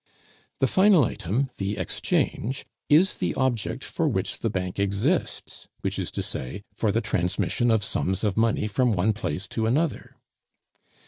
The final item, the exchange, is the object for which the bank exists, which is to say, for the transmission of sums of money from one place to another.